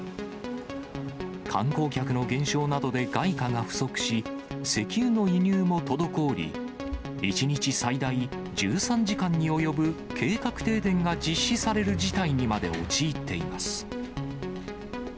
観光客の減少などで外貨が不足し、石油の輸入も滞り、１日最大１３時間に及ぶ計画停電が実施される事態にまで陥っています。